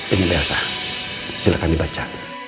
ini mbak elsa silahkan dibaca